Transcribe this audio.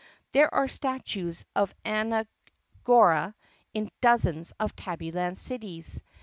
There are statues of Anne Gora in dozens of Tabbyland cities.